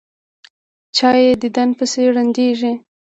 چا یې دیدن پسې ړندېږي.